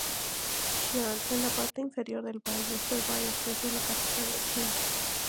Xi'an, en la parte inferior del valle, fue varias veces la capital de China.